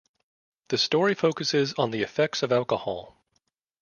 The story focuses on the effects of alcohol.